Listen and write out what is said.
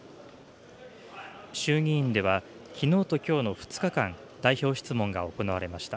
衆議院ではきのうときょうの２日間、代表質問が行われました。